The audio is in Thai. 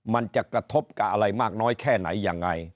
มันจะกระทบกับอะไรมากน้อยแค่ไหนยังไง